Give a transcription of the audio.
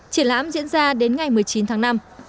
triển lãm diễn ra đến ngày một mươi chín tháng năm